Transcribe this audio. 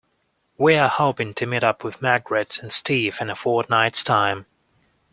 We are hoping to meet up with Margaret and Steve in a fortnight's time.